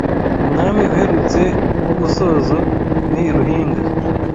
umwami uherutse w’u Busozo ni Ruhinga